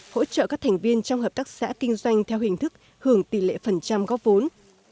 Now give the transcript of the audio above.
hỗ trợ các thành viên trong hợp tác xã kinh doanh theo hình thức hưởng tỷ lệ phần trăm góp vốn